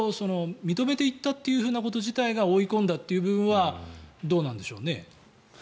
認めていったということ自体が追い込んだという部分はどうなんでしょうね。